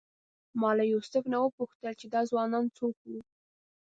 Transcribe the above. ما له یوسف نه وپوښتل چې دا ځوانان څوک وو.